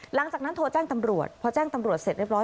หลังจากนั้นโทรแจ้งตำรวจพอแจ้งตำรวจเสร็จเรียบร้อ